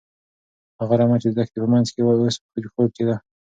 هغه رمه چې د دښتې په منځ کې وه، اوس په خوب کې ده.